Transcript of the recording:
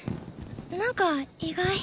なんか意外。